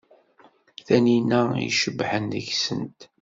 Tanina i icebḥen deg-sent.